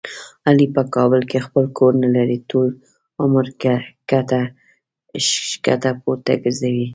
علي په کابل کې خپل کور نه لري. ټول عمر کډه ښکته پورته ګرځوي.